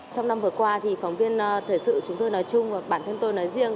trong năm vừa qua thì phóng viên thời sự chúng tôi nói chung và bản thân tôi nói riêng